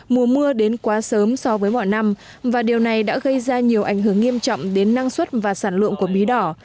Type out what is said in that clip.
mùa mưa đến quá sớm so với mọi năm và điều này đã gây ra nhiều ảnh hưởng nghiêm trọng đến năng suất và sản lượng của bí đỏ